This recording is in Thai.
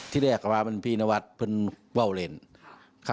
ที่ได้อากาศมาเป็นพินวัฒน์พื้นเว้าเรนค่ะ